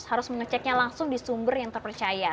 harus mengeceknya langsung di sumber yang terpercaya